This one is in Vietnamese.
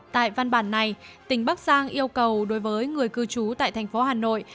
tại văn bản này tỉnh bắc giang yêu cầu đối với người cư trú tại thành phố hà nội